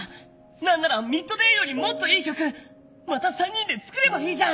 何なら『ＭＩＤＤＡＹ』よりもっといい曲また３人で作ればいいじゃん！